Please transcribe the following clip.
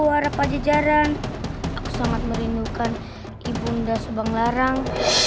warna pajajaran aku sangat merindukan ibunda sobang larang